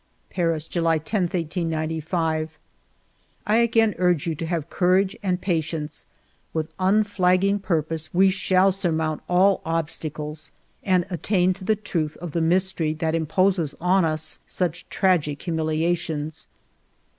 ''Paris, July 10, 1895. " I again urge you to have courage and pa tience ; with unflagging purpose we shall sur mount all obstacles and attain to the truth of the mystery that imposes on us such tragic humilia tions.